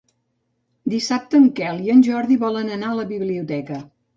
Dissabte en Quel i en Jordi volen anar a la biblioteca.